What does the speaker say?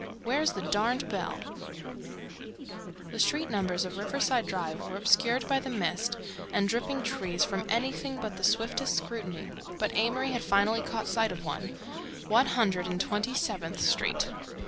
Where's the darned bell— The street numbers of Riverside Drive were obscured by the mist and dripping trees from anything but the swiftest scrutiny, but Amory had finally caught sight of one—One Hundred and Twenty seventh Street.